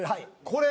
これ。